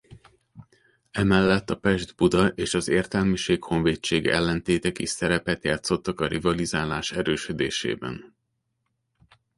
Emellett a Pest-Buda és az értelmiség-honvédség ellentétek is szerepet játszottak a rivalizálás erősödésében.